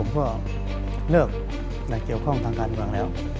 ผมก็เลิกแต่เกี่ยวข้องทางการบ้างแล้ว